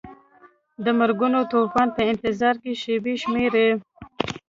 د مرګوني طوفان په انتظار کې شیبې شمیرلې.